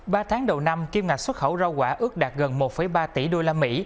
ba tháng đầu năm kiêm ngạc xuất khẩu rau quả ước đạt gần một ba tỷ usd